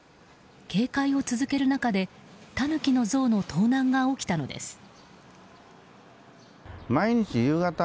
警戒を続ける中でタヌキの像の盗難が起きたのです。